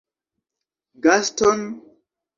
Gaston?